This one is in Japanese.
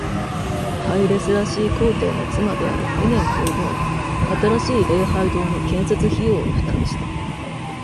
ハイレ・セラシー皇帝の妻であるメネン皇后が新しい礼拝堂の建設費用を負担した。